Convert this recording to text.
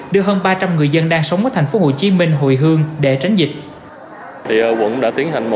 đưa hơn ba trăm linh người dân đang sống ở thành phố hồ chí minh hồi hương để tránh dịch